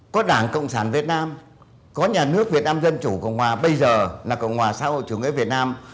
có đảng cộng sản việt nam có nhà nước việt nam dân chủ cộng hòa bây giờ là cộng hòa xã hội chủ nghĩa việt nam